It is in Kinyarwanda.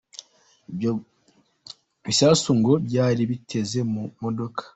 Ibyo bisasu ngo byari biteze mu modoka.